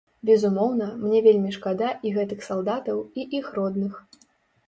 Безумоўна, мне вельмі шкада і гэтых салдатаў, і іх родных.